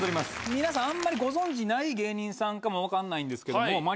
皆さんあんまりご存じない芸人さんかも分かんないんですけども。